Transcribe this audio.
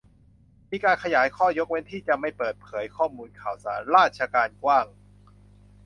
มีการขยายข้อยกเว้นที่จะไม่เปิดเผยข้อมูลข่าวสารราชการกว้าง